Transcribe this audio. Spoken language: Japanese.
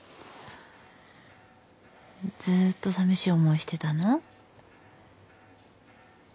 ずっとさみしい思いしてたの？